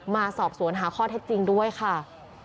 มาสอบสวนหาข้อเท็จจริงด้วยค่ะ